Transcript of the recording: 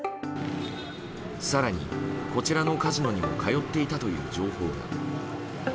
更に、こちらのカジノにも通っていたという情報が。